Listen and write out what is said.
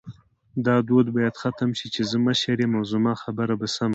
دا دود باید ختم شې چی زه مشر یم او زما خبره به سمه